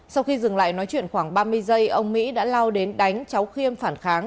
sau khi dừng lại nói chuyện khoảng ba mươi giây ông mỹ đã lao đến đánh cháu khiêm phản kháng